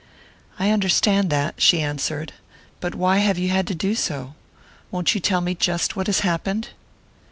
"I understand that," she answered. "But why have you had to do so? Won't you tell me just what has happened?"